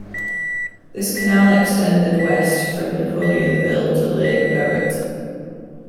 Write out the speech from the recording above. This canal extended west from Napoleonville to Lake Verret.